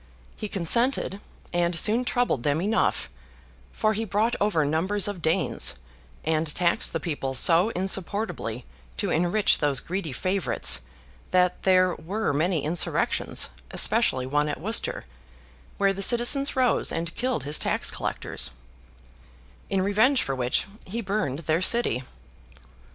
He consented, and soon troubled them enough; for he brought over numbers of Danes, and taxed the people so insupportably to enrich those greedy favourites that there were many insurrections, especially one at Worcester, where the citizens rose and killed his tax collectors; in revenge for which he burned their city.